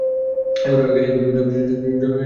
এগুলো যথেষ্ট দেখা হয়েছে।